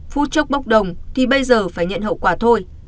phút chốc bốc đồng thì bây giờ phải nhận hậu quả thôi